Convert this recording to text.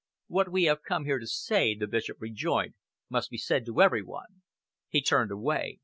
"What we have come here to say," the Bishop rejoined, "must be said to every one." He turned away.